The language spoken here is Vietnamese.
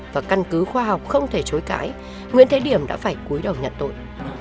và căn cứ khoa học không thể chối cãi nguyễn thế điểm đã phải cuối đầu nhận tội